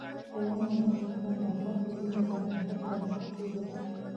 ښوونه او روزنه د هرې ټولنې د پرمختګ بنسټ جوړوي.